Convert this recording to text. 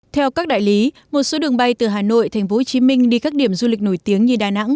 theo các đại lý một số đường bay từ hà nội tp hcm đi các điểm du lịch nổi tiếng như đà nẵng